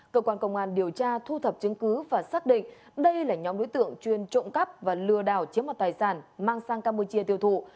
cơ quan công an điều tra thu thập chứng cứ và xác định đây là nhóm đối tượng chuyên trộm cắp và lừa đảo chiếm mặt tài sản mang sang campuchia tiêu thụ